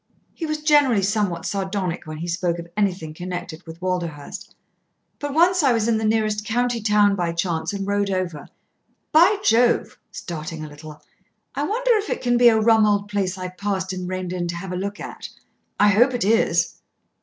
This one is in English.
He was generally somewhat sardonic when he spoke of anything connected with Walderhurst. "But once I was in the nearest county town by chance and rode over. By Jove!" starting a little, "I wonder if it can be a rum old place I passed and reined in to have a look at. I hope it is."